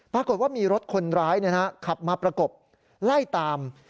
ปรากฏว่ามีรถคนร้ายขับมาประกบไล่ตาม